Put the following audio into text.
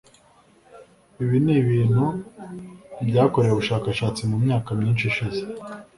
ibi ni ibintu byakorewe ubushakashatsi mu myaka myinshi ishize